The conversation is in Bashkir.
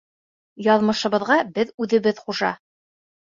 — Яҙмышыбыҙға беҙ үҙебеҙ хужа.